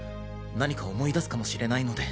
何か思い出すかもしれないので。